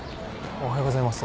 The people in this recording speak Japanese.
おはようございます。